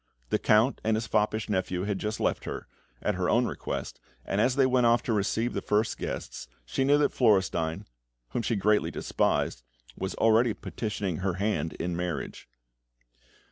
The Count and his foppish nephew had just left her, at her own request; and as they went off to receive the first guests, she knew that Florestein, whom she greatly despised, was already petitioning her hand in marriage.